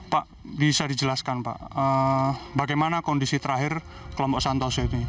pak bisa dijelaskan pak bagaimana kondisi terakhir kelompok santoso ini